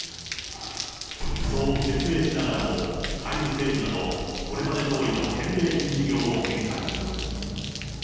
そう説明しながらも、タイムセールなど、これまでどおりの返礼品事業を展開。